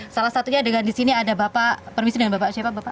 salah satunya dengan di sini ada bapak permisi dengan bapak siapa bapak